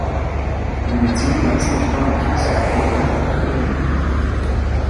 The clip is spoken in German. Die Medizin leistet Erstaunliches, vollbringt aber keine Wunder.